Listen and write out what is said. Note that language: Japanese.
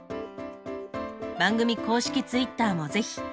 番組公式Ｔｗｉｔｔｅｒも是非。